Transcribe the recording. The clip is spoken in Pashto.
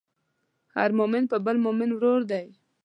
هر مؤمن د بل مؤمن ورور دی.